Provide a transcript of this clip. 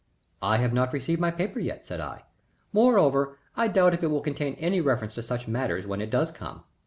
"I have not received my paper yet," said I. "Moreover, I doubt if it will contain any reference to such matters when it does come.